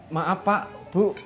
maaf pak bu